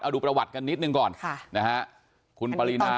เอาดูประวัติกันนิดหนึ่งก่อน